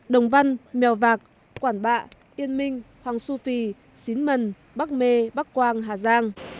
đồng văn mèo vạc quản bạ yên minh hoàng su phi xín mần bắc mê bắc quang hà giang